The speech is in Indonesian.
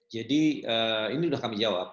jadi ini udah kami jawab